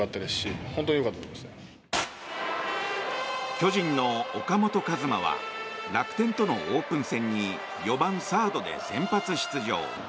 巨人の岡本和真は楽天とのオープン戦に４番サードで先発出場。